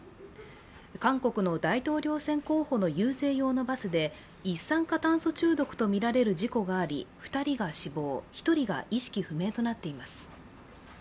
韓国の大統領選挙候補の遊説用のバスで一酸化炭素中毒とみられる事故があり２人が死亡、１人が意識不明となっています。